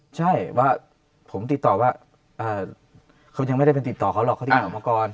ใช่ว่าผมติดต่อว่าเขายังไม่ได้ไปติดต่อเขาหรอกเขาติดต่อมาก่อน